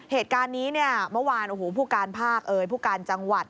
เหตุการณ์นี้เนี่ยเมื่อวานพูดการภาคได้พูดการจังหวัด